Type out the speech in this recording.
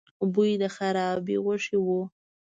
بوی د خرابې غوښې و.